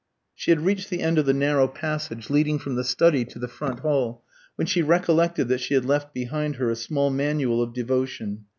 She had reached the end of the narrow passage leading from the study to the front hall, when she recollected that she had left behind her a small manual of devotion.